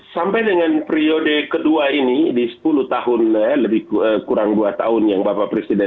sampai dengan periode kedua ini di sepuluh tahun lebih kurang dua tahun yang bapak presiden